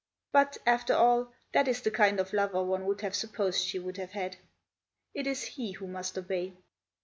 But, after all, that is the kind of lover one would have supposed she would have had. It is he who must obey."